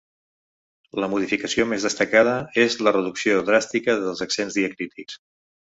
La modificació més destacada és la reducció dràstica dels accents diacrítics.